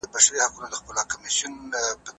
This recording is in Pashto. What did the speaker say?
¬ راستي د مړو هنر دئ.